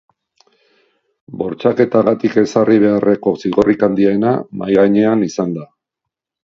Bortxaketagatik ezarri beharreko zigorrik handiena mahai gainean izan da.